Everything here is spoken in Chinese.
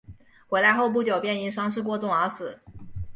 回来后不久便因伤势过重而死。